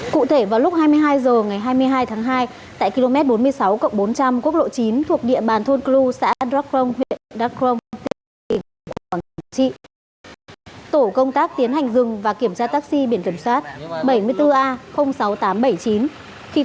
cụ thể vào lúc hai mươi hai h ngày hai mươi hai tháng hai tại km bốn mươi sáu bốn trăm linh quốc lộ chín thuộc địa bàn thôn clu xã đắk rông huyện đắk rông tỉnh quảng trị